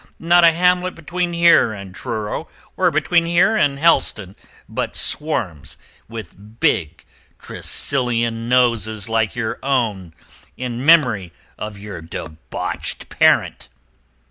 Not a hamlet between here and Truro, or between here and Helston, but swarms with big Tressilian noses like your own, in memory of your debauched parent."